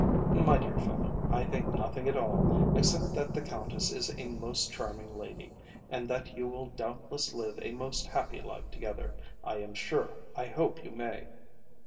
"My dear fellow," I said, "I think nothing at all, except that the Countess is a most charming lady, and that you will doubtless live a most happy life together. I am sure I hope you may."